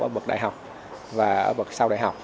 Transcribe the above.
ở bậc đại học và ở bậc sau đại học